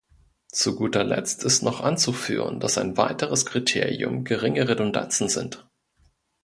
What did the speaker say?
Zu guter Letzt ist noch anzuführen, dass ein weiteres Kriterium geringe Redundanzen sind.